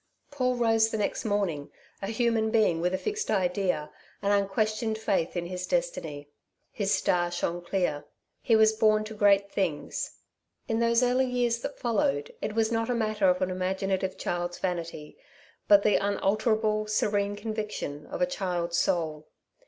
Paul rose the next morning, a human being with a fixed idea, an unquestioned faith in his destiny. His star shone clear. He was born to great things. In those early years that followed it was not a matter of an imaginative child's vanity, but the unalterable, serene conviction of a child's soul.